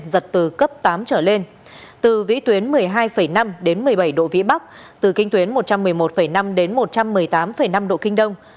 giật từ cấp tám trở lên từ vĩ tuyến một mươi hai năm đến một mươi bảy độ vĩ bắc từ kinh tuyến một trăm một mươi một năm đến một trăm một mươi tám năm độ kinh đông